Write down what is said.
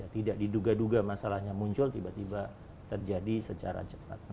tidak diduga duga masalahnya muncul tiba tiba terjadi secara cepat